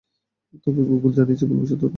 তবে গুগল জানিয়েছে, ভুলবশত অর্থ পাঠানো হয়েছে।